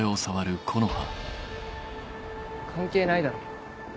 関係ないだろ。